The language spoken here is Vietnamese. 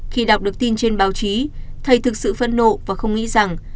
khi đọc được tin trên báo chí thầy thực sự phẫn nộ và không nghĩ rằng